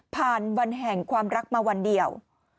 วันแห่งความรักมาวันเดียว